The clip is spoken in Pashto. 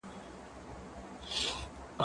زه اوږده وخت سبزیجات وچوم وم،